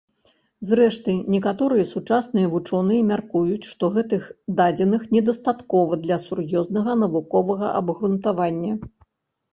Зрэшты, некаторыя сучасныя вучоныя мяркуюць, што гэтых дадзеных недастаткова для сур'ёзнага навуковага абгрунтавання.